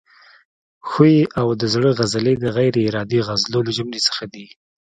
ښویې او د زړه عضلې د غیر ارادي عضلو له جملو څخه دي.